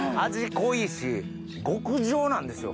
濃いし極上なんですよ